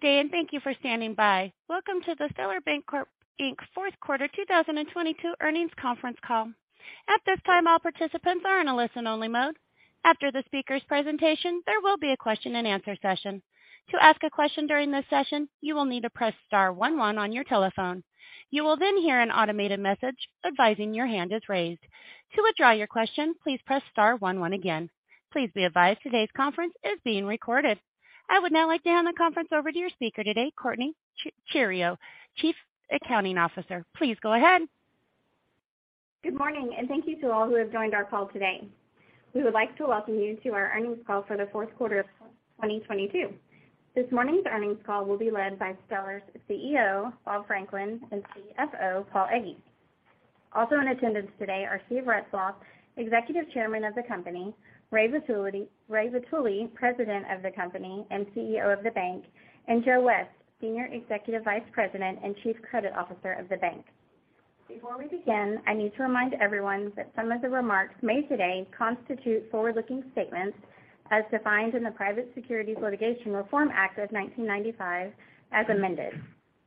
Good day, thank you for standing by. Welcome to the Stellar Bancorp, Inc. fourth quarter 2022 earnings conference call. At this time, all participants are in a listen-only mode. After the speaker's presentation, there will be a question-and-answer session. To ask a question during this session, you will need to press star one one on your telephone. You will hear an automated message advising your hand is raised. To withdraw your question, please press star one one again. Please be advised today's conference is being recorded. I would now like to hand the conference over to your speaker today, Courtney Theriot, Chief Accounting Officer. Please go ahead. Good morning, and thank you to all who have joined our call today. We would like to welcome you to our earnings call for the fourth quarter of 2022. This morning's earnings call will be led by Stellar's CEO, Bob Franklin, and CFO, Paul Egge. Also in attendance today are Steve Retzloff, Executive Chairman of the company, Ray Vitulli, President of the company and CEO of the bank, and Joe West, Senior Executive Vice President and Chief Credit Officer of the bank. Before we begin, I need to remind everyone that some of the remarks made today constitute forward-looking statements as defined in the Private Securities Litigation Reform Act of 1995 as amended.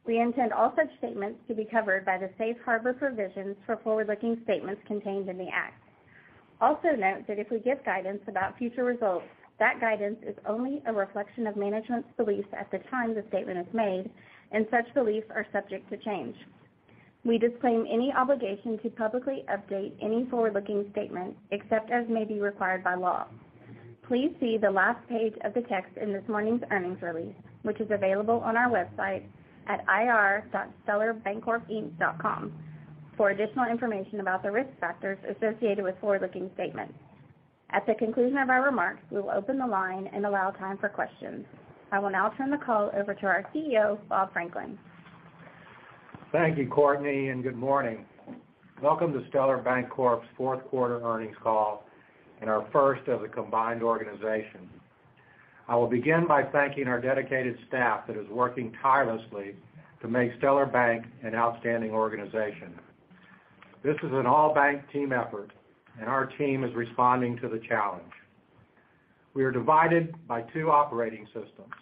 We intend all such statements to be covered by the safe harbor provisions for forward-looking statements contained in the act. Also note that if we give guidance about future results, that guidance is only a reflection of management's beliefs at the time the statement is made, and such beliefs are subject to change. We disclaim any obligation to publicly update any forward-looking statement, except as may be required by law. Please see the last page of the text in this morning's earnings release, which is available on our website at ir.stellarbancorpinc.com for additional information about the risk factors associated with forward-looking statements. At the conclusion of our remarks, we will open the line and allow time for questions. I will now turn the call over to our CEO, Bob Franklin. Thank you, Courtney, and good morning. Welcome to Stellar Bancorp's fourth quarter earnings call and our first as a combined organization. I will begin by thanking our dedicated staff that is working tirelessly to make Stellar Bank an outstanding organization. This is an all-bank team effort. Our team is responding to the challenge. We are divided by two operating systems.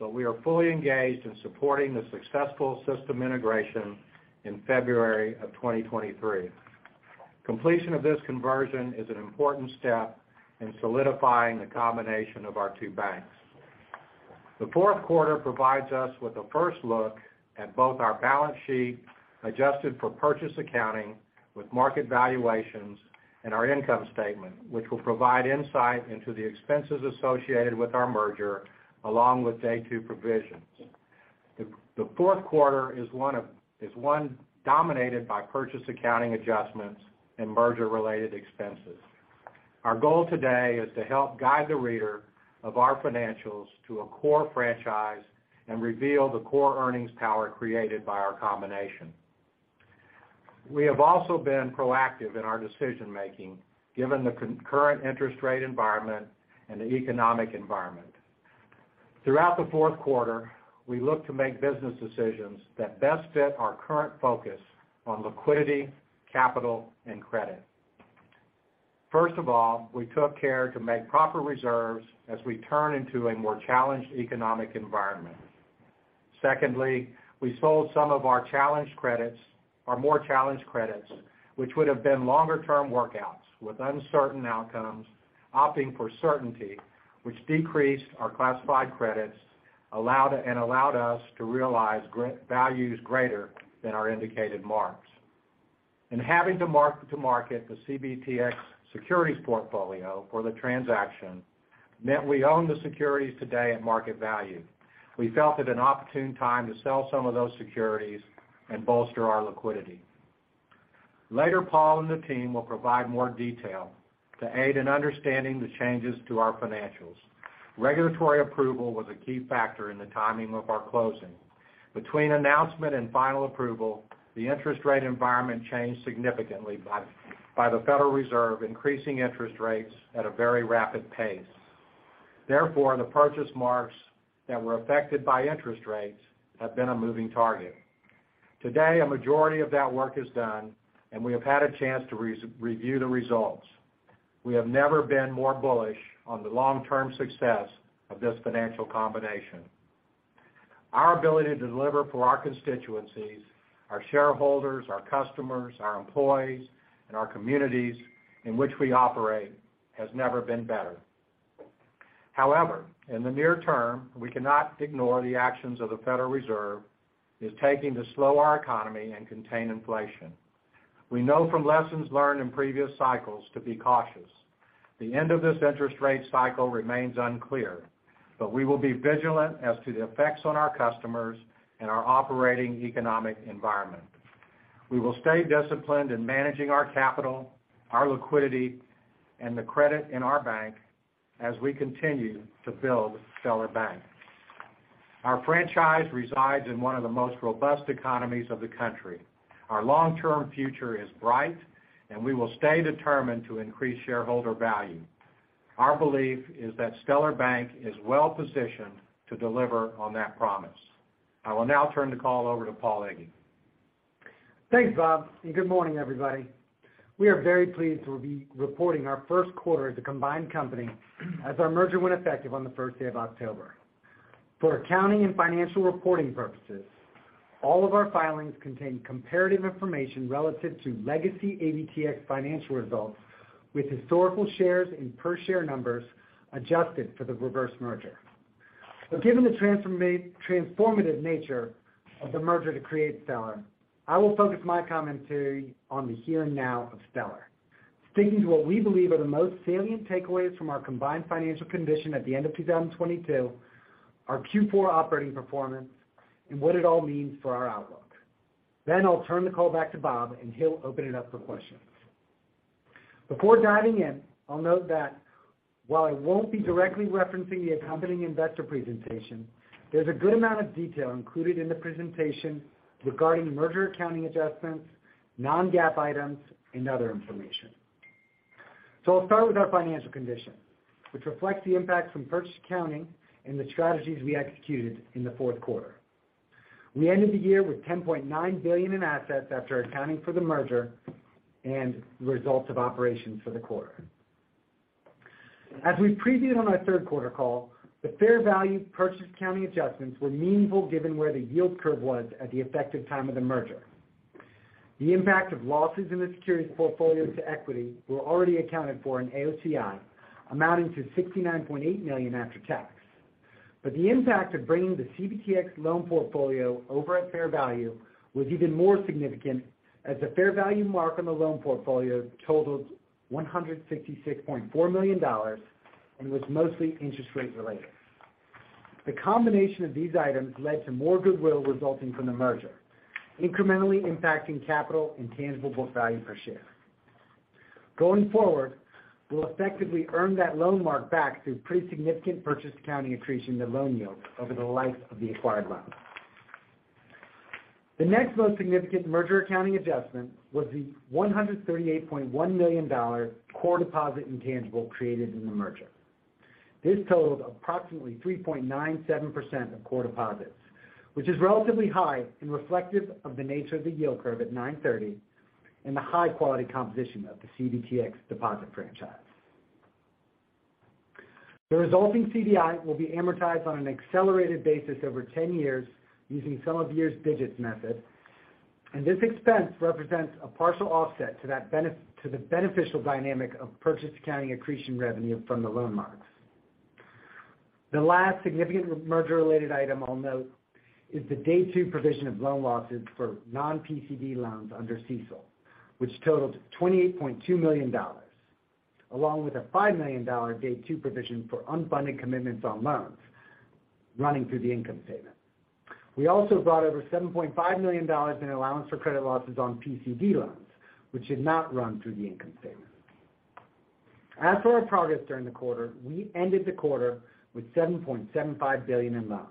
We are fully engaged in supporting the successful system integration in February of 2023. Completion of this conversion is an important step in solidifying the combination of our two banks. The fourth quarter provides us with a first look at both our balance sheet, adjusted for purchase accounting with market valuations and our income statement, which will provide insight into the expenses associated with our merger along with day two provisions. The fourth quarter is one dominated by purchase accounting adjustments and merger-related expenses. Our goal today is to help guide the reader of our financials to a core franchise and reveal the core earnings power created by our combination. We have also been proactive in our decision-making, given the current interest rate environment and the economic environment. Throughout the fourth quarter, we look to make business decisions that best fit our current focus on liquidity, capital, and credit. First of all, we took care to make proper reserves as we turn into a more challenged economic environment. Secondly, we sold some of our challenged credits, our more-challenged credits, which would have been longer-term workouts with uncertain outcomes, opting for certainty which decreased our classified credits and allowed us to realize values greater than our indicated marks. Having to mark to market the CBTX Securities portfolio for the transaction meant we own the securities today at market value. We felt it an opportune time to sell some of those securities and bolster our liquidity. Later, Paul and the team will provide more detail to aid in understanding the changes to our financials. Regulatory approval was a key factor in the timing of our closing. Between announcement and final approval, the interest rate environment changed significantly by the Federal Reserve increasing interest rates at a very rapid pace. Therefore, the purchase marks that were affected by interest rates have been a moving target. Today, a majority of that work is done, and we have had a chance to review the results. We have never been more bullish on the long-term success of this financial combination. Our ability to deliver for our constituencies, our shareholders, our customers, our employees, and our communities in which we operate has never been better. However, in the near term, we cannot ignore the actions that the Federal Reserve is taking to slow our economy and contain inflation. We know from lessons learned in previous cycles to be cautious. The end of this interest rate cycle remains unclear, but we will be vigilant as to the effects on our customers and our operating economic environment. We will stay disciplined in managing our capital, our liquidity, and the credit in our bank as we continue to build Stellar Bank. Our franchise resides in one of the most robust economies of the country. Our long-term future is bright, and we will stay determined to increase shareholder value. Our belief is that Stellar Bank is well-positioned to deliver on that promise. I will now turn the call over to Paul Egge. Thanks, Bob, good morning, everybody. We are very pleased to be reporting our first quarter as a combined company as our merger went effective on the first day of October. For accounting and financial reporting purposes, all of our filings contain comparative information relative to legacy ABTX financial results with historical shares and per-share numbers adjusted for the reverse merger. Given the transformative nature of the merger to create Stellar, I will focus my commentary on the here and now of Stellar, sticking to what we believe are the most salient takeaways from our combined financial condition at the end of 2022, our Q4 operating performance, and what it all means for our outlook. I'll turn the call back to Bob, and he'll open it up for questions. Before diving in, I'll note that while I won't be directly referencing the accompanying investor presentation, there's a good amount of detail included in the presentation regarding merger accounting adjustments, non-GAAP items, and other information. I'll start with our financial condition, which reflects the impact from purchase accounting and the strategies we executed in the fourth quarter. We ended the year with $10.9 billion in assets after accounting for the merger and results of operations for the quarter. As we previewed on our third quarter call, the fair value purchase accounting adjustments were meaningful given where the yield curve was at the effective time of the merger. The impact of losses in the securities portfolio to equity were already accounted for in AOCI, amounting to $69.8 million after tax. The impact of bringing the CBTX loan portfolio over at fair value was even more significant, as the fair value mark on the loan portfolio totaled $166.4 million and was mostly interest rate-related. The combination of these items led to more goodwill resulting from the merger, incrementally impacting capital and tangible book value per share. Going forward, we'll effectively earn that loan mark back through pretty significant purchase accounting accretion to loan yields over the life of the acquired loans. The next most significant merger accounting adjustment was the $138.1 million core deposit intangible created in the merger. This totaled approximately 3.97% of core deposits, which is relatively high and reflective of the nature of the yield curve at 9/30 and the high-quality composition of the CBTX deposit franchise. The resulting CDI will be amortized on an accelerated basis over 10 years using sum-of-the-years'-digits method. This expense represents a partial offset to the beneficial dynamic of purchase accounting accretion revenue from the loan marks. The last significant merger-related item I'll note is the day two provision of loan losses for non-PCD loans under CECL, which totaled $28.2 million, along with a $5 million day two provision for unfunded commitments on loans running through the income statement. We also brought over $7.5 million in allowance for credit losses on PCD loans, which did not run through the income statement. As for our progress during the quarter, we ended the quarter with $7.75 billion in loans,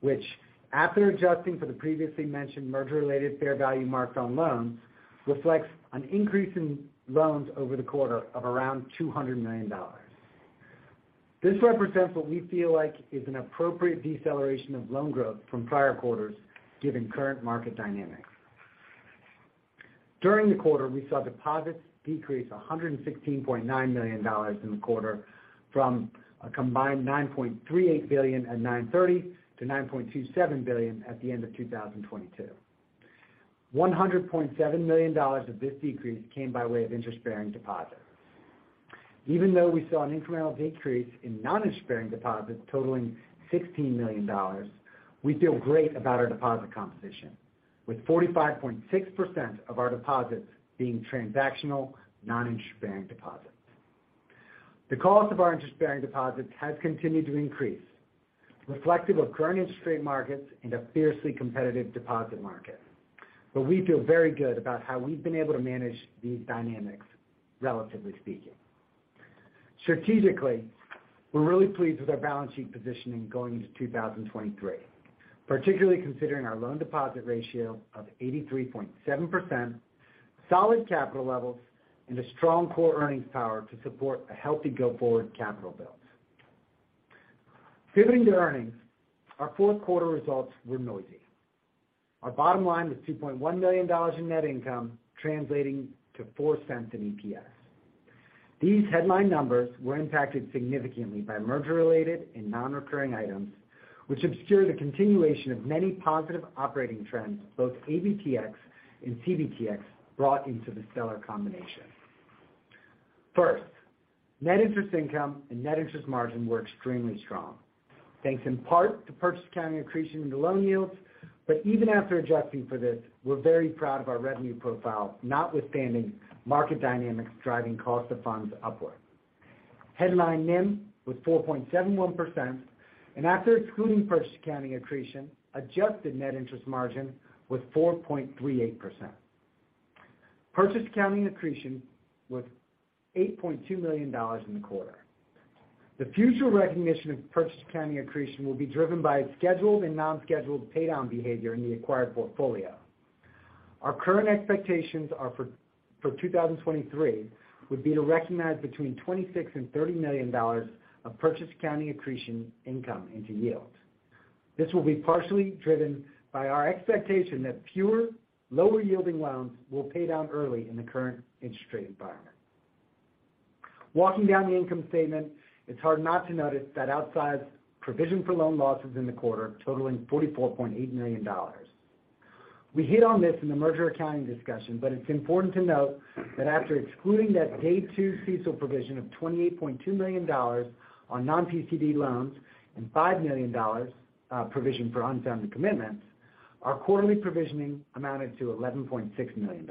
which after adjusting for the previously mentioned merger-related fair value marks on loans, reflects an increase in loans over the quarter of around $200 million. This represents what we feel like is an appropriate deceleration of loan growth from prior quarters given current market dynamics. During the quarter, we saw deposits decrease $116.9 million in the quarter from a combined $9.38 billion at 9/30 to $9.27 billion at the end of 2022. $100.7 million of this decrease came by way of interest-bearing deposits. Even though we saw an incremental decrease in non-interest-bearing deposits totaling $16 million, we feel great about our deposit composition, with 45.6% of our deposits being transactional, non-interest-bearing deposits. The cost of our interest-bearing deposits has continued to increase, reflective of current industry markets and a fiercely competitive deposit market. We feel very good about how we've been able to manage these dynamics relatively speaking. Strategically, we're really pleased with our balance sheet positioning going into 2023, particularly considering our loan deposit ratio of 83.7%, solid capital levels, and a strong core earnings power to support a healthy go-forward capital build. Pivoting to earnings, our fourth quarter results were noisy. Our bottom line was $2.1 million in net income, translating to $0.04 in EPS. These headline numbers were impacted significantly by merger-related and non-recurring items, which obscure the continuation of many positive operating trends both ABTX and CBTX brought into the Stellar combination. Net interest income and net interest margin were extremely strong, thanks in part to purchase accounting accretion into loan yields. Even after adjusting for this, we're very proud of our revenue profile, notwithstanding market dynamics driving cost of funds upward. Headline NIM was 4.71%, after excluding purchase accounting accretion, adjusted net interest margin was 4.38%. Purchase accounting accretion was $8.2 million in the quarter. The future recognition of purchase accounting accretion will be driven by its scheduled and non-scheduled paydown behavior in the acquired portfolio. Our current expectations are for 2023 would be to recognize between $26 million and $30 million of purchase accounting accretion income into yield. This will be partially driven by our expectation that fewer lower yielding loans will pay down early in the current interest rate environment. Walking down the income statement, it's hard not to notice that outside provision for loan losses in the quarter totaling $44.8 million. We hit on this in the merger accounting discussion, but it's important to note that after excluding that day two CECL provision of $28.2 million on non-PCD loans and $5 million provision for unfunded commitments, our quarterly provisioning amounted to $11.6 million,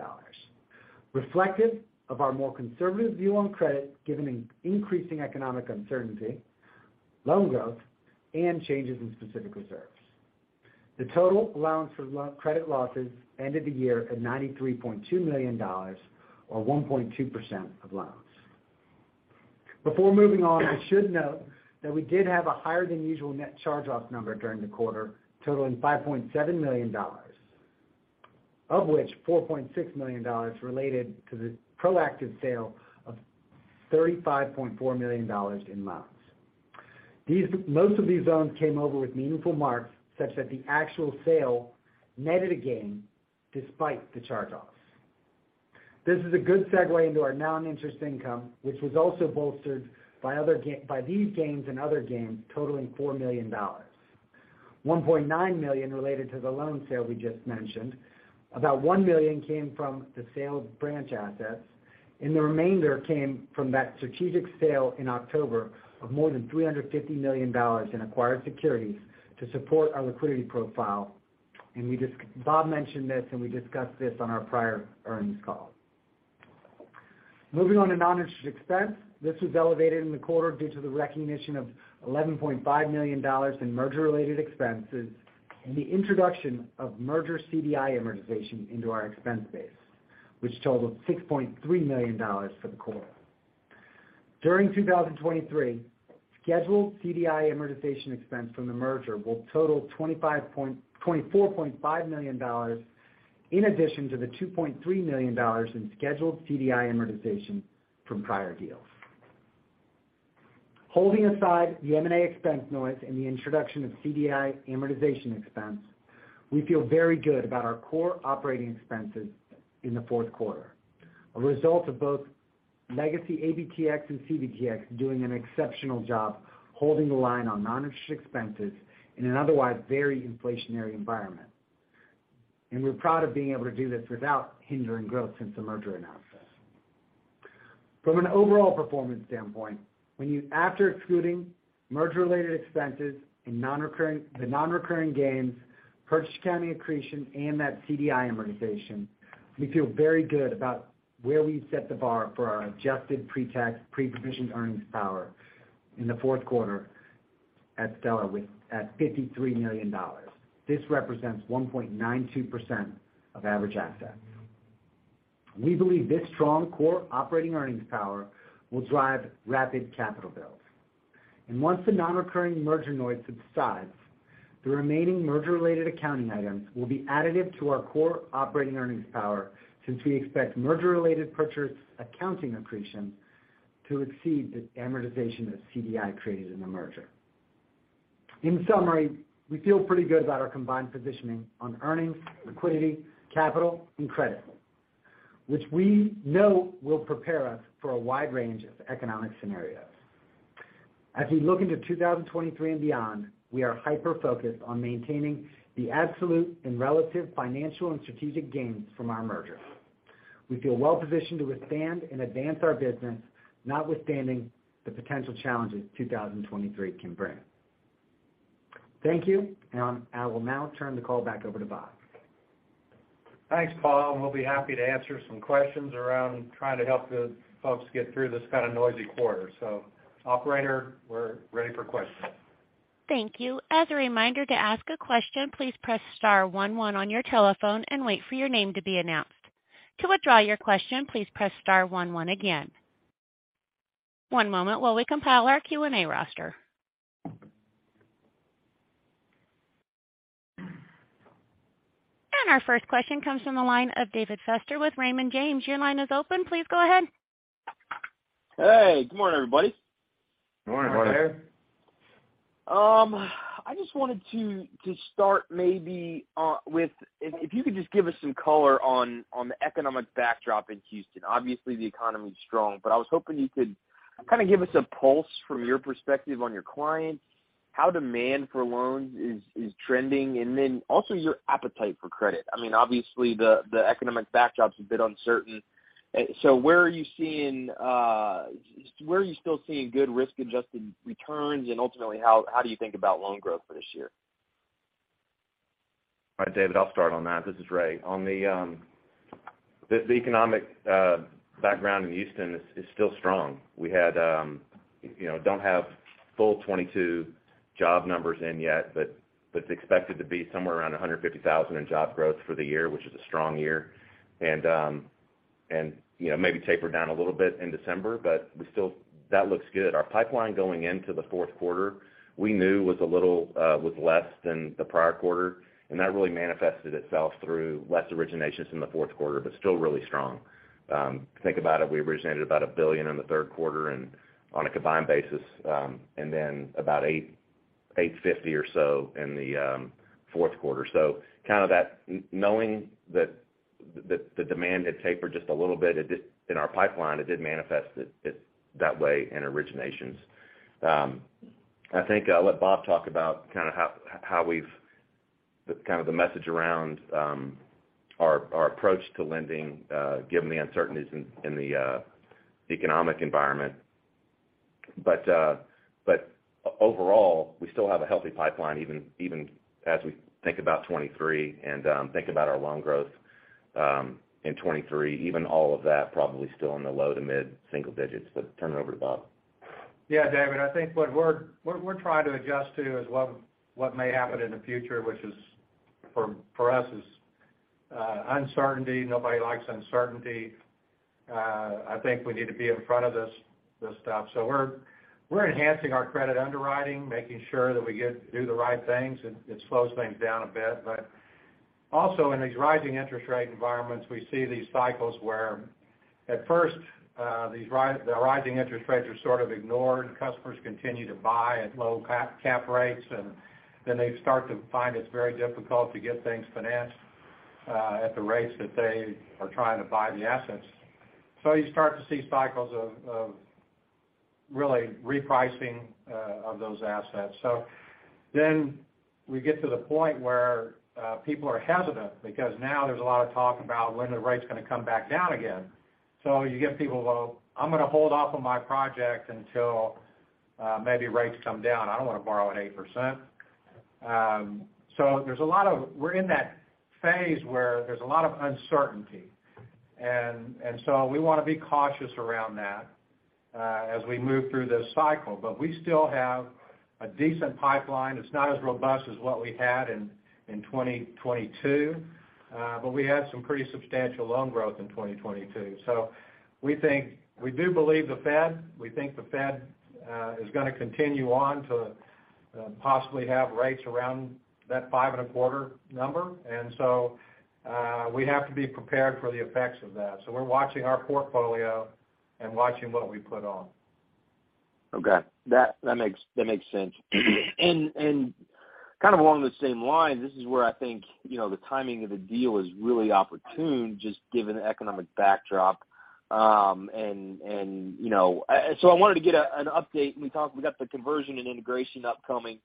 reflective of our more conservative view on credit given increasing economic uncertainty, loan growth, and changes in specific reserves. The total allowance for credit losses ended the year at $93.2 million or 1.2% of loans. Before moving on, I should note that we did have a higher than usual net charge-offs number during the quarter, totaling $5.7 million, of which $4.6 million related to the proactive sale of $35.4 million in loans. Most of these loans came over with meaningful marks such that the actual sale netted a gain despite the charge-offs. This is a good segue into our non-interest income, which was also bolstered by these gains and other gains totaling $4 million. $1.9 million related to the loan sale we just mentioned. About $1 million came from the sale of branch assets. The remainder came from that strategic sale in October of more than $350 million in acquired securities to support our liquidity profile. Bob mentioned this, and we discussed this on our prior earnings call. Moving on to non-interest expense. This was elevated in the quarter due to the recognition of $11.5 million in merger-related expenses and the introduction of merger CDI amortization into our expense base, which totaled $6.3 million for the quarter. During 2023, scheduled CDI amortization expense from the merger will total $24.5 million in addition to the $2.3 million in scheduled CDI amortization from prior deals. Holding aside the M&A expense noise and the introduction of CDI amortization expense, we feel very good about our core operating expenses in the fourth quarter, a result of both legacy ABTX and CBTX doing an exceptional job holding the line on non-interest expenses in an otherwise very inflationary environment. We're proud of being able to do this without hindering growth since the merger announcement. From an overall performance standpoint, after excluding merger-related expenses and the non-recurring gains, purchase accounting accretion, and that CDI amortization, we feel very good about where we've set the bar for our adjusted pre-tax, pre-provisioned earnings power in the fourth quarter at Stellar at $53 million. This represents 1.92% of average assets. We believe this strong core operating earnings power will drive rapid capital builds. Once the non-recurring merger noise subsides, the remaining merger-related accounting items will be additive to our core operating earnings power since we expect merger-related purchase accounting accretion to exceed the amortization that CDI created in the merger. In summary, we feel pretty good about our combined positioning on earnings, liquidity, capital, and credit, which we know will prepare us for a wide range of economic scenarios. As we look into 2023 and beyond, we are hyper-focused on maintaining the absolute and relative financial and strategic gains from our merger. We feel well-positioned to withstand and advance our business, notwithstanding the potential challenges 2023 can bring. Thank you. I will now turn the call back over to Bob. Thanks, Paul. We'll be happy to answer some questions around trying to help the folks get through this kind of noisy quarter. Operator, we're ready for questions. Thank you. As a reminder to ask a question, please press star one one on your telephone and wait for your name to be announced. To withdraw your question, please press star one one again. One moment while we compile our Q&A roster. Our first question comes from the line of David Feaster with Raymond James. Your line is open. Please go ahead. Hey, good morning, everybody. Good morning. Good morning. I just wanted to start maybe with if you could just give us some color on the economic backdrop in Houston. Obviously, the economy is strong, but I was hoping you could kind of give us a pulse from your perspective on your clients, how demand for loans is trending, and then also your appetite for credit. I mean, obviously the economic backdrop's a bit uncertain. So where are you seeing, where are you still seeing good risk-adjusted returns? Ultimately, how do you think about loan growth for this year? All right, David, I'll start on that. This is Ray. On the economic background in Houston is still strong. We had, you know, don't have full 2022 job numbers in yet, but it's expected to be somewhere around 150,000 in job growth for the year, which is a strong year. You know, maybe taper down a little bit in December. That looks good. Our pipeline going into the fourth quarter, we knew was a little, was less than the prior quarter, and that really manifested itself through less originations in the fourth quarter, but still really strong. Think about it, we originated about $1 billion in the third quarter and on a combined basis, and then about $850 million or so in the fourth quarter. Kind of knowing that the demand had tapered just a little bit it did in our pipeline, it did manifest that way in originations. I think I'll let Bob talk about kind of how Kind of the message around our approach to lending given the uncertainties in the economic environment. Overall, we still have a healthy pipeline, even as we think about 2023 and think about our loan growth in 2023, even all of that probably still in the low to mid single digits. Turn it over to Bob. Yeah, David, I think what we're trying to adjust to is what may happen in the future, which for us is uncertainty. Nobody likes uncertainty. I think we need to be in front of this stuff. We're enhancing our credit underwriting, making sure that we do the right things, and it slows things down a bit. Also in these rising interest rate environments, we see these cycles where at first, the rising interest rates are sort of ignored. Customers continue to buy at low cap rates, and then they start to find it's very difficult to get things financed at the rates that they are trying to buy the assets. You start to see cycles of really repricing of those assets. We get to the point where people are hesitant because now there's a lot of talk about when are the rates going to come back down again. You get people, "Well, I'm going to hold off on my project until maybe rates come down. I don't want to borrow at 8%." We're in that phase where there's a lot of uncertainty. We want to be cautious around that as we move through this cycle. We still have a decent pipeline. It's not as robust as what we had in 2022. We had some pretty substantial loan growth in 2022. We do believe the Fed. We think the Fed is going to continue on to possibly have rates around that 5.25 number. We have to be prepared for the effects of that. We're watching our portfolio and watching what we put on. Okay. That makes sense. Kind of along the same line, this is where I think, you know, the timing of the deal is really opportune, just given the economic backdrop. You know, I wanted to get an update. We talked, we got the conversion and integration upcoming.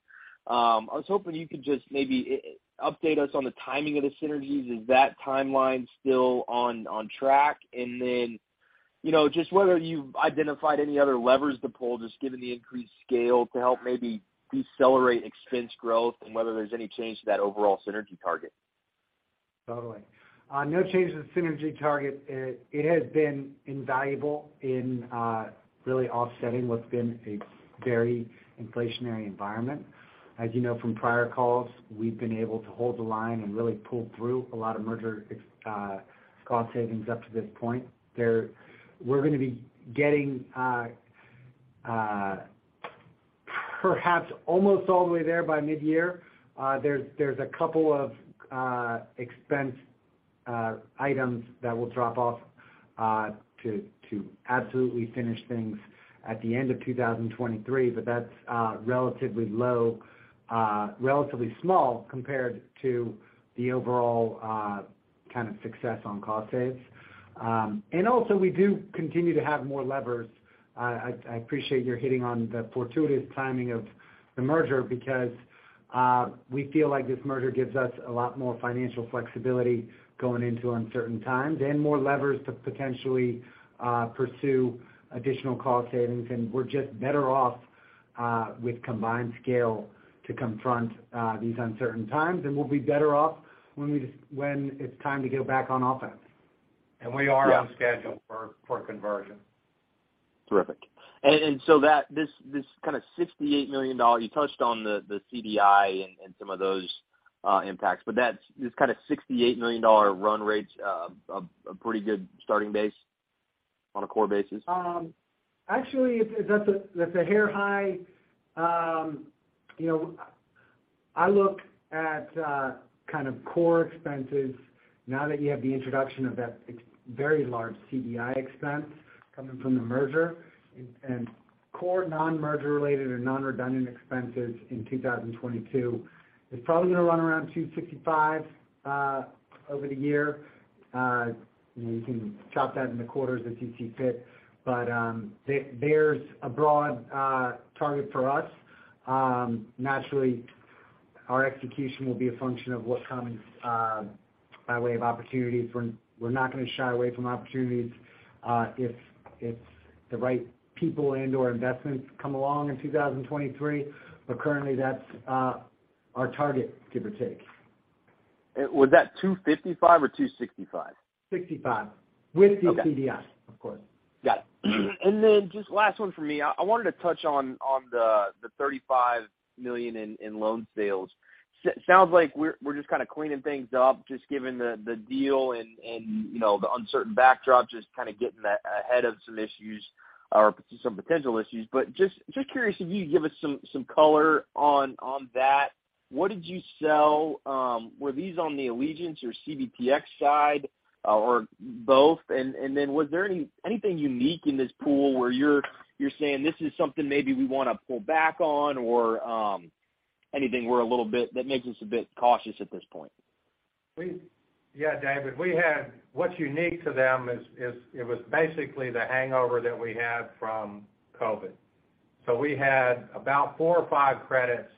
I was hoping you could just maybe update us on the timing of the synergies. Is that timeline still on track? Then, you know, just whether you've identified any other levers to pull, just given the increased scale to help maybe decelerate expense growth and whether there's any change to that overall synergy target. Totally. No change to the synergy target. It has been invaluable in really offsetting what's been a very inflationary environment. As you know from prior calls, we've been able to hold the line and really pull through a lot of merger cost savings up to this point. We're going to be getting perhaps almost all the way there by mid-year. There's a couple of expense items that will drop off to absolutely finish things at the end of 2023, but that's relatively low, relatively small compared to the overall kind of success on cost saves. We do continue to have more levers. I appreciate your hitting on the fortuitous timing of the merger because, we feel like this merger gives us a lot more financial flexibility going into uncertain times and more levers to potentially, pursue additional cost savings. We're just better off, with combined scale to confront, these uncertain times. We'll be better off when it's time to go back on offense. We are— Yeah. on schedule for conversion. Terrific. That, this kind of $68 million, you touched on the CDI and some of those impacts, but this kind of $68 million run rate's a pretty good starting base on a core basis? Actually, that's a hair high. You know, I look at kind of core expenses now that you have the introduction of that very large CDI expense coming from the merger. Core non-merger related or non-redundant expenses in 2022 is probably going to run around $265 over the year. You know, you can chop that into quarters as you see fit. There's a broad target for us. Naturally, our execution will be a function of what's coming by way of opportunities. We're not going to shy away from opportunities if the right people and/or investments come along in 2023. Currently, that's our target, give or take. Was that 255 or 265? Sixty-five. Okay. With the CDI, of course. Got it. Just last one for me. I wanted to touch on the $35 million in loan sales. Sounds like we're just kinda cleaning things up just given the deal and, you know, the uncertain backdrop, just kinda getting ahead of some issues or some potential issues. Just curious if you could give us some color on that. What did you sell? Were these on the Allegiance or CBTX side, or both? Then was there anything unique in this pool where you're saying this is something maybe we want to pull back on or anything we're a little bit that makes us a bit cautious at this point? Yeah, David, what's unique to them is it was basically the hangover that we had from COVID. We had about 4 or 5 credits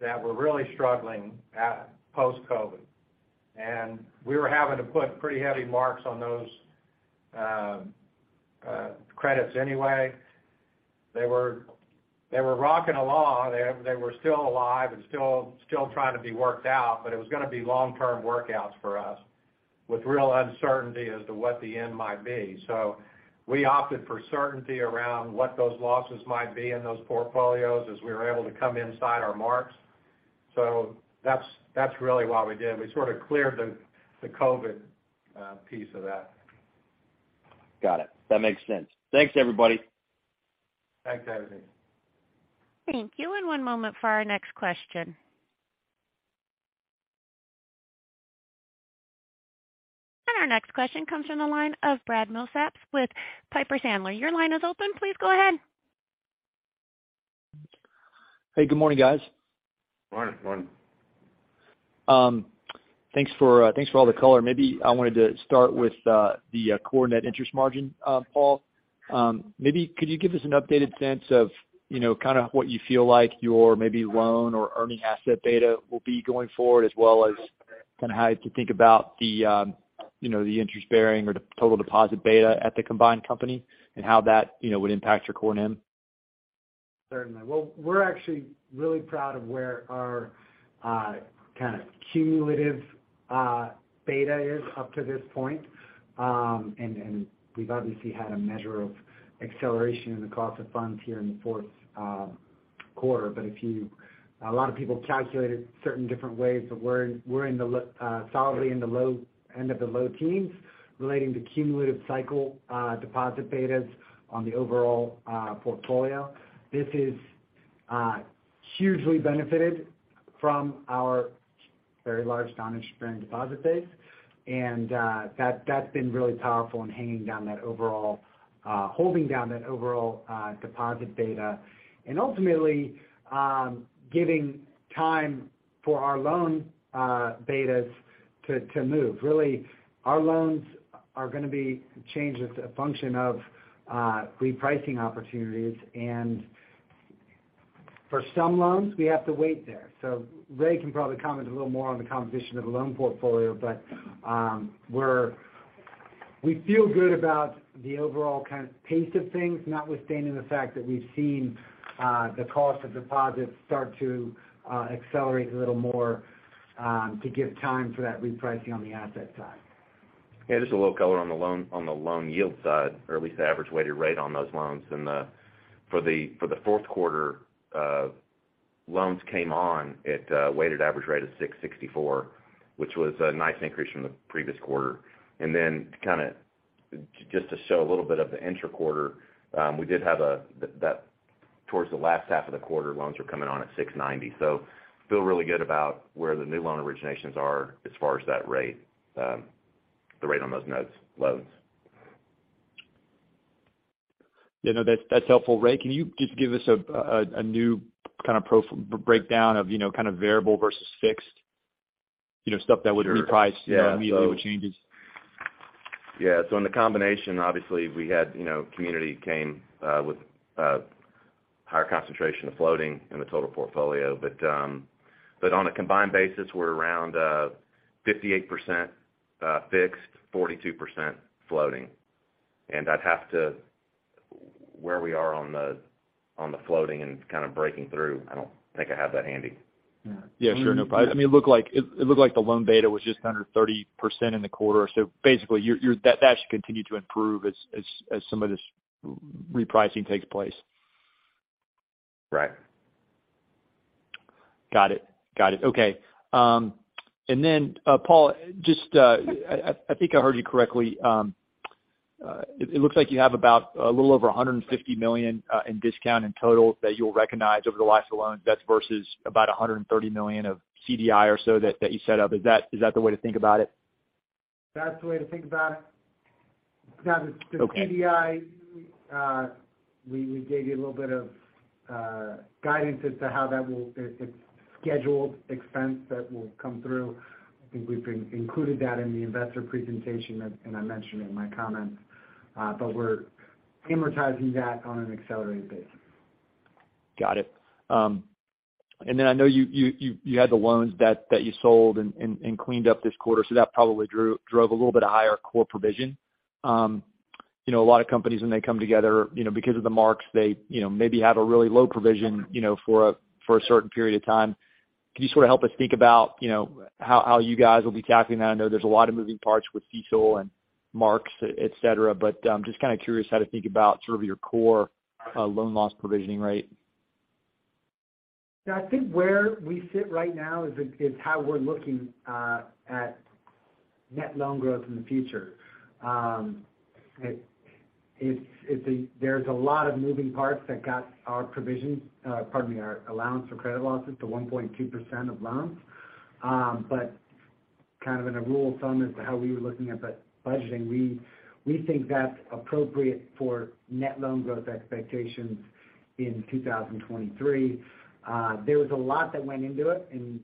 that were really struggling at post-COVID, and we were having to put pretty heavy marks on those credits anyway. They were rocking along. They were still alive and still trying to be worked out, but it was going to be long-term workouts for us with real uncertainty as to what the end might be. We opted for certainty around what those losses might be in those portfolios as we were able to come inside our marks. That's really what we did. We sort of cleared the COVID piece of that. Got it. That makes sense. Thanks, everybody. Thanks, David. Thank you. One moment for our next question. Our next question comes from the line of Brad Milsaps with Piper Sandler. Your line is open. Please go ahead. Hey, good morning, guys. Morning. Morning. Thanks for, thanks for all the color. Maybe I wanted to start with the core net interest margin, Paul. Maybe could you give us an updated sense of, you know, kind of what you feel like your maybe loan or earning asset beta will be going forward, as well as kind of how to think about the, you know, the interest-bearing or the total deposit beta at the combined company and how that, you know, would impact your core NIM? Certainly. Well, we're actually really proud of where our kind of cumulative beta is up to this point. We've obviously had a measure of acceleration in the cost of funds here in the fourth quarter. A lot of people calculate it certain different ways, but we're solidly in the low end of the low teens relating to cumulative cycle deposit betas on the overall portfolio. This is hugely benefited from our very large non-interest-bearing deposit base, and that's been really powerful in holding down that overall deposit beta and ultimately giving time for our loan betas to move. Really, our loans are going to be changed as a function of repricing opportunities. For some loans, we have to wait there. Ray can probably comment a little more on the composition of the loan portfolio, but we feel good about the overall kind of pace of things, notwithstanding the fact that we've seen the cost of deposits start to accelerate a little more to give time for that repricing on the asset side. Yeah, just a little color on the loan, on the loan yield side, or at least the average weighted rate on those loans. For the fourth quarter, loans came on at a weighted average rate of 6.64%, which was a nice increase from the previous quarter. Just to show a little bit of the intra-quarter, we did have that towards the last half of the quarter, loans were coming on at 6.90%. Feel really good about where the new loan originations are as far as that rate, the rate on those loans. Yeah, no, that's helpful. Ray, can you just give us a, a new kind of breakdown of, you know, kind of variable versus fixed, you know, stuff that would reprice, you know, immediately with changes? Sure. Yeah. In the combination, obviously, we had, you know, Community came with higher concentration of floating in the total portfolio. On a combined basis, we're around 58% fixed, 42% floating. I'd have to where we are on the floating and kind of breaking through, I don't think I have that handy. Yeah. Sure. No problem. I mean, it looked like the loan beta was just under 30% in the quarter. Basically you're that should continue to improve as some of this repricing takes place. Right. Got it. Okay. Paul, just I think I heard you correctly. It looks like you have about a little over $150 million in discount in total that you'll recognize over the life of the loan, that's versus about $130 million of CDI or so that you set up. Is that the way to think about it? That's the way to think about it. Now, the CDI- Okay. We gave you a little bit of guidance as to how it's scheduled expense that will come through. I think we've included that in the investor presentation and I mentioned in my comments. We're amortizing that on an accelerated basis. Got it. Then I know you had the loans that you sold and cleaned up this quarter, so that probably drove a little bit of higher core provision. You know, a lot of companies when they come together, you know, because of the marks, they, you know, maybe have a really low provision, you know, for a certain period of time. Can you sort of help us think about, you know, how you guys will be tackling that? I know there's a lot of moving parts with CECL and marks, et cetera, but, just kind of curious how to think about sort of your core loan loss provisioning rate. Yeah. I think where we sit right now is how we're looking at net loan growth in the future. It's a lot of moving parts that got our provisions, pardon me, our allowance for credit losses to 1.2% of loans. Kind of in a rule of thumb as to how we were looking at the budgeting, we think that's appropriate for net loan growth expectations in 2023. There was a lot that went into it, and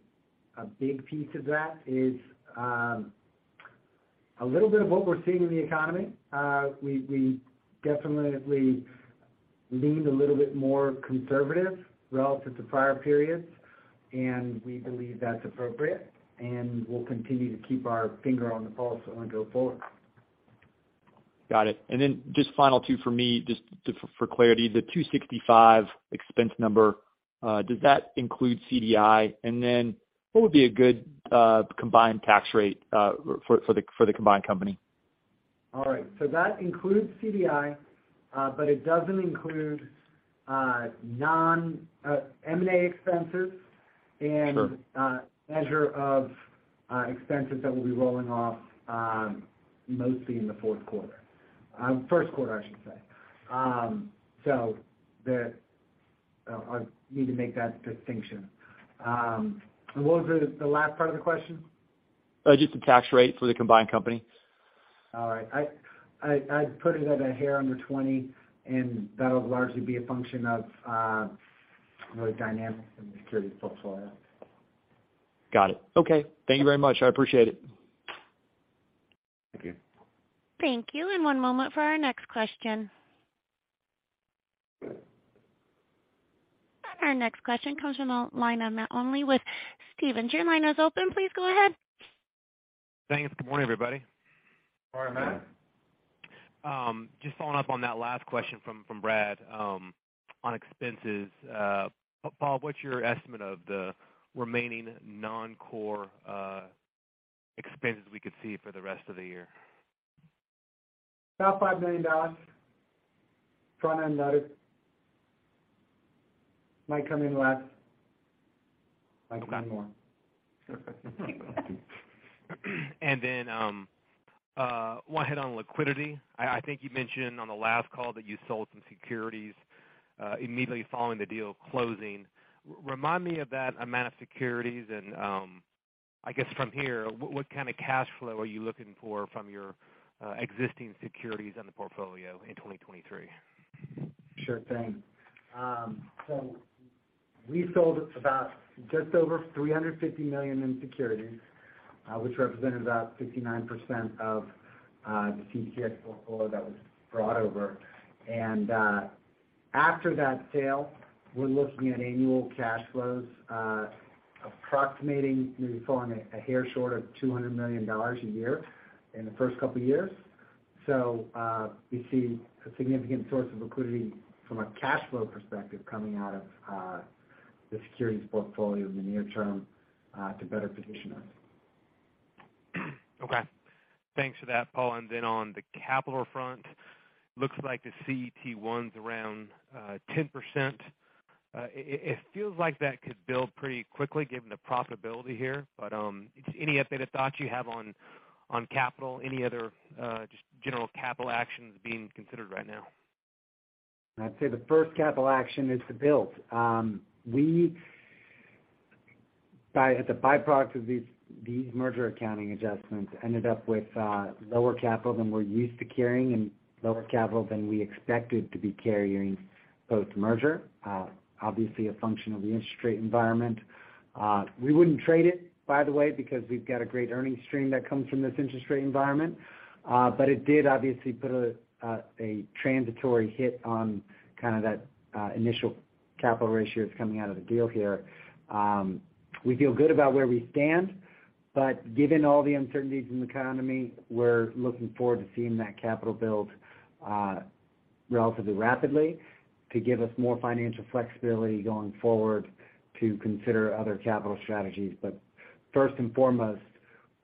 a big piece of that is a little bit of what we're seeing in the economy. We definitely leaned a little bit more conservative relative to prior periods, and we believe that's appropriate. We'll continue to keep our finger on the pulse as want to go forward. Got it. Just final two for me, just for clarity. The 265 expense number, does that include CDI? Then what would be a good combined tax rate for the combined company? All right. That includes CDI, but it doesn't include non M&A expenses- Sure measure of expenses that we'll be rolling off, mostly in the fourth quarter. First quarter, I should say. I need to make that distinction. What was the last part of the question? Just the tax rate for the combined company. All right. I'd put it at a hair under 20, and that'll largely be a function of, you know, the dynamics in the securities portfolio. Got it. Okay. Thank you very much. I appreciate it. Thank you. Thank you. One moment for our next question. Our next question comes from the line of Matt Olney with Stephens. Your line is open. Please go ahead. Thanks. Good morning, everybody. Good morning, Matt. Just following up on that last question from Brad, on expenses. Paul, what's your estimate of the remaining non-core expenses we could see for the rest of the year? About $5 million front end loaded. Might come in less, might come in more. want to hit on liquidity. I think you mentioned on the last call that you sold some securities immediately following the deal closing. Remind me of that amount of securities and I guess from here, what kind of cash flow are you looking for from your existing securities on the portfolio in 2023? Sure thing. We sold about just over $350 million in securities, which represented about 59% of the CBTX portfolio that was brought over. After that sale, we're looking at annual cash flows, approximating maybe falling a hair short of $200 million a year in the first couple years. We see a significant source of liquidity from a cash flow perspective coming out of the securities portfolio in the near term, to better position us. Okay. Thanks for that, Paul. On the capital front, looks like the CET1's around 10%. It feels like that could build pretty quickly given the profitability here. Any updated thoughts you have on capital? Any other just general capital actions being considered right now? I'd say the first capital action is to build. We, as a by-product of these merger accounting adjustments ended up with lower capital than we're used to carrying and lower capital than we expected to be carrying post-merger. Obviously a function of the interest rate environment. We wouldn't trade it by the way, because we've got a great earnings stream that comes from this interest rate environment. It did obviously put a transitory hit on kind of that initial capital ratios coming out of the deal here. We feel good about where we stand, but given all the uncertainties in the economy, we're looking forward to seeing that capital build relatively rapidly to give us more financial flexibility going forward to consider other capital strategies. First and foremost,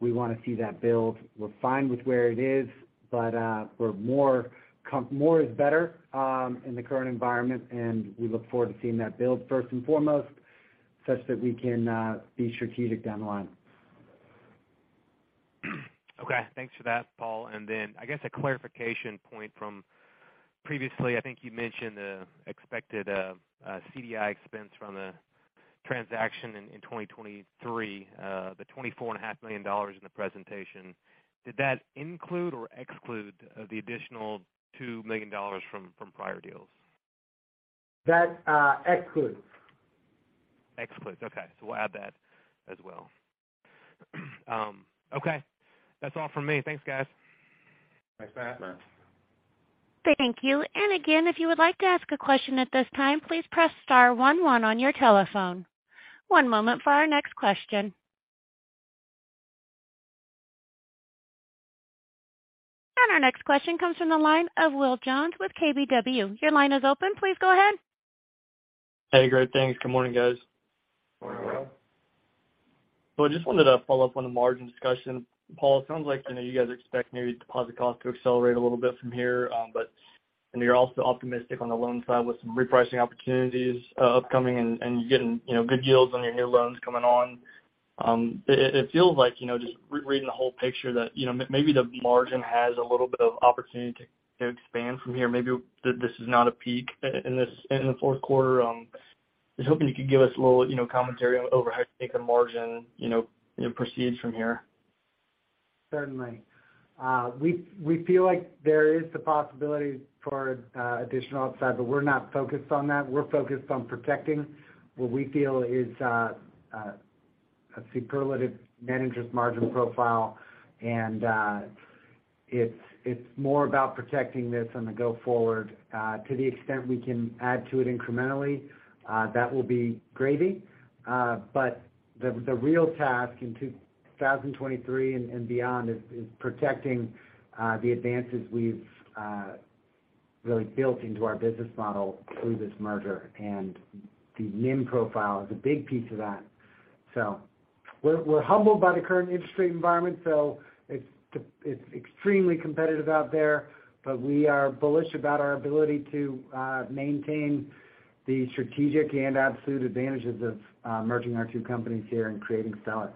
we want to see that build. We're fine with where it is, but we're more is better, in the current environment, and we look forward to seeing that build first and foremost such that we can be strategic down the line. Okay. Thanks for that, Paul. I guess a clarification point from previously. I think you mentioned the expected CDI expense from the transaction in 2023, the 24 and a half million dollars in the presentation. Did that include or exclude the additional $2 million from prior deals? That excludes. Excludes. Okay. We'll add that as well. Okay, that's all from me. Thanks, guys. Thanks for asking. Thank you. Again, if you would like to ask a question at this time, please press star one one on your telephone. One moment for our next question. Our next question comes from the line of Will Jones with KBW. Your line is open. Please go ahead. Hey, great. Thanks. Good morning, guys. Morning, Will. I just wanted to follow up on the margin discussion. Paul, it sounds like, I know you guys expect maybe deposit costs to accelerate a little bit from here, and you're also optimistic on the loan side with some repricing opportunities upcoming and you're getting, you know, good yields on your new loans coming on. It feels like, you know, just reading the whole picture that, you know, maybe the margin has a little bit of opportunity to expand from here. Maybe that this is not a peak in the fourth quarter. I was hoping you could give us a little, you know, commentary over how you think the margin, you know, proceeds from here. Certainly. We feel like there is the possibility for additional upside, but we're not focused on that. We're focused on protecting what we feel is a superlative net interest margin profile. It's more about protecting this on the go forward. To the extent we can add to it incrementally, that will be gravy. The real task in 2023 and beyond is protecting the advances we've really built into our business model through this merger. The NIM profile is a big piece of that. We're humbled by the current industry environment, so it's extremely competitive out there, but we are bullish about our ability to maintain the strategic and absolute advantages of merging our two companies here and creating Stellar.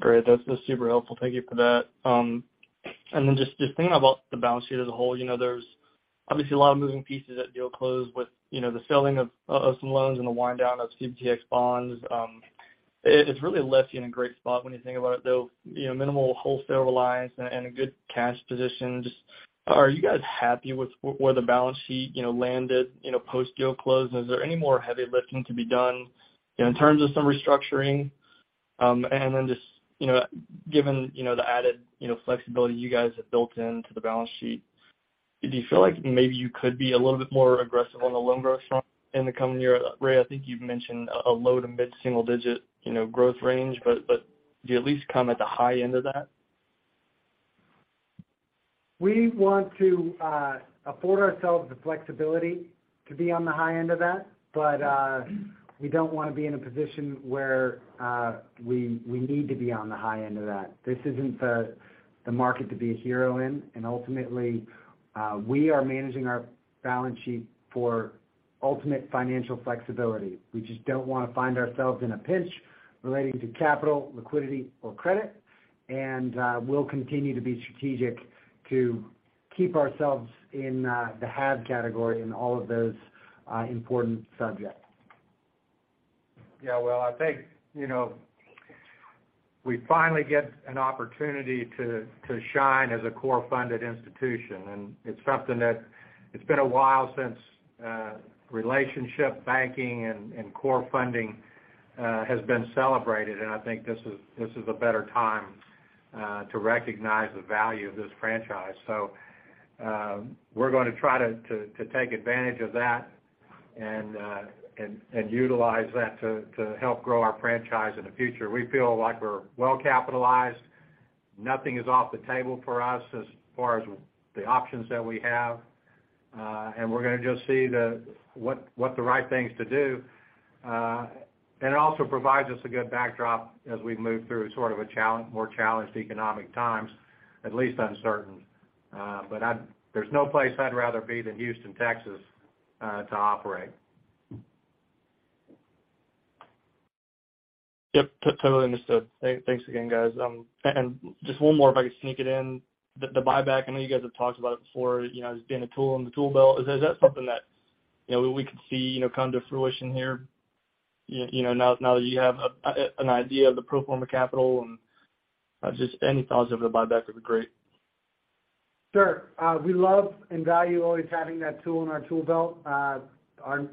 Great. That's, that's super helpful. Thank you for that. Just thinking about the balance sheet as a whole. You know, there's obviously a lot of moving pieces at deal close with, you know, the selling of some loans and the wind down of CBTX bonds. It's really left you in a great spot when you think about it, though, you know, minimal wholesale reliance and a good cash position. Just are you guys happy with where the balance sheet, you know, landed, you know, post-deal close? Is there any more heavy lifting to be done in terms of some restructuring? Then just, you know, given, you know, the added, you know, flexibility you guys have built into the balance sheet, do you feel like maybe you could be a little bit more aggressive on the loan growth front in the coming year? Ray, I think you've mentioned a low to mid-single digit, you know, growth range, but do you at least come at the high end of that? We want to afford ourselves the flexibility to be on the high end of that, but we don't want to be in a position where we need to be on the high end of that. This isn't the market to be a hero in. Ultimately, we are managing our balance sheet for ultimate financial flexibility. We just don't want to find ourselves in a pinch relating to capital, liquidity or credit. We'll continue to be strategic to keep ourselves in the have category in all of those important subjects. Yeah. Well, I think, you know, we finally get an opportunity to shine as a core funded institution. It's something that it's been a while since relationship banking and core funding has been celebrated. I think this is a better time to recognize the value of this franchise. We're going to try to take advantage of that and utilize that to help grow our franchise in the future. We feel like we're well capitalized. Nothing is off the table for us as far as the options that we have. We're going to just see what the right things to do. It also provides us a good backdrop as we move through sort of a more challenged economic times, at least uncertain. There's no place I'd rather be than Houston, Texas, to operate. Yep, totally understood. Thanks again, guys. Just one more if I could sneak it in. The buyback, I know you guys have talked about it before, you know, as being a tool in the tool belt. Is that something that, you know, we could see, you know, come to fruition here, you know, now that you have an idea of the pro forma capital and just any thoughts over the buyback would be great. Sure. We love and value always having that tool in our tool belt.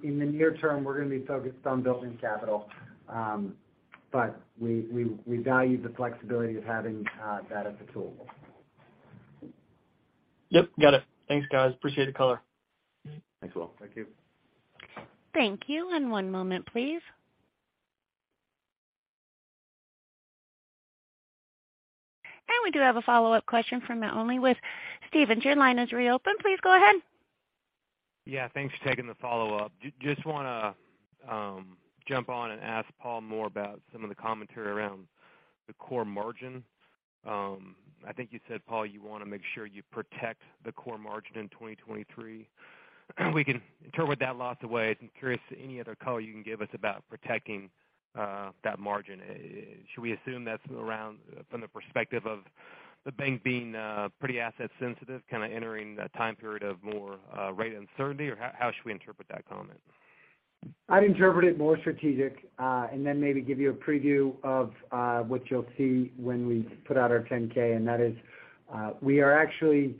In the near term, we're going to be focused on building capital. We value the flexibility of having that as a tool. Yep. Got it. Thanks, guys. Appreciate the color. Thanks, Will. Thank you. Thank you. One moment please. We do have a follow-up question with Steven. Your line is reopened. Please go ahead. Yeah, thanks for taking the follow-up. Just want to jump on and ask Paul more about some of the commentary around the core margin. I think you said, Paul, you want to make sure you protect the core margin in 2023. We can interpret that lots of ways. I'm curious any other color you can give us about protecting that margin. Should we assume that's around from the perspective of the bank being pretty asset sensitive, kind of entering a time period of more rate uncertainty? Or how should we interpret that comment? I'd interpret it more strategic, and then maybe give you a preview of what you'll see when we put out our 10-K. That is, we are actually,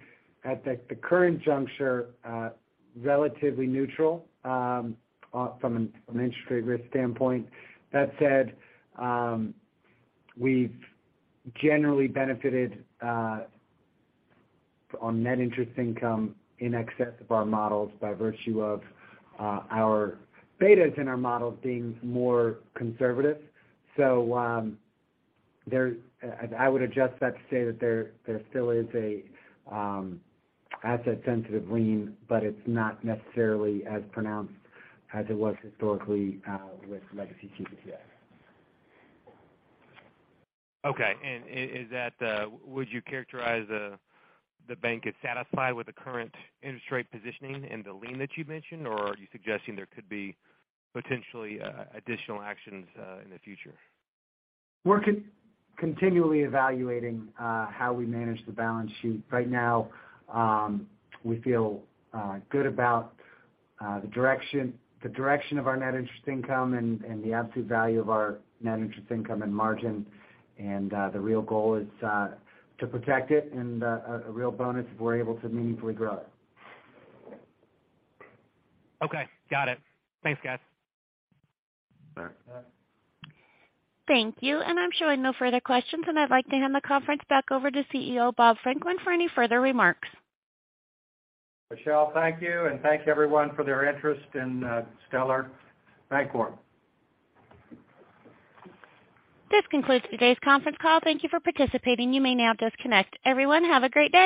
at the current juncture, relatively neutral from an industry risk standpoint. That said, we've generally benefited on net interest income in excess of our models by virtue of our betas in our models being more conservative. I would adjust that to say that there still is a asset sensitive lean, but it's not necessarily as pronounced as it was historically with legacy CBTX. Okay. Is that, would you characterize the bank as satisfied with the current industry positioning and the lean that you mentioned, or are you suggesting there could be potentially additional actions in the future? We're continually evaluating how we manage the balance sheet. Right now, we feel good about the direction, the direction of our net interest income and the absolute value of our net interest income and margin. The real goal is to protect it and a real bonus if we're able to meaningfully grow it. Okay. Got it. Thanks, guys. All right. Thank you. I'm showing no further questions, and I'd like to hand the conference back over to CEO Bob Franklin for any further remarks. Michelle, thank you, and thank everyone for their interest in Stellar Bancorp, Inc.. This concludes today's conference call. Thank you for participating. You may now disconnect. Everyone, have a great day.